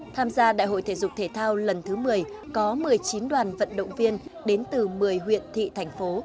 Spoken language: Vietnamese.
tham gia đại hội thể dục thể thao lần thứ một mươi có một mươi chín đoàn vận động viên đến từ một mươi huyện thị thành phố